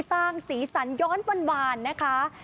สร้างสีสันย้อนวานนะคะ